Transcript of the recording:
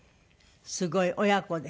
すごい！親子で。